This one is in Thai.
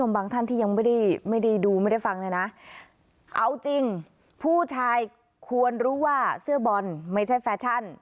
บางท่านที่ยังไม่ได้ดูไม่ได้ฟังเนี่ยนะเอาจริงผู้ชายควรรู้ว่าเสื้อบอลไม่ใช่แฟชั่น